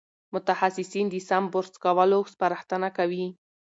متخصصین د سم برس کولو سپارښتنه کوي.